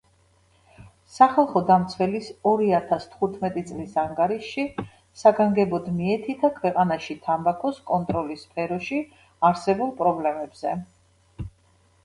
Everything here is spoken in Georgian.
სახალხო დამცველის ორიათას თხუთმეტი წლის ანგარიშში საგანგებოდ მიეთითა ქვეყანაში თამბაქოს კონტროლის სფეროში არსებულ პრობლემებზე.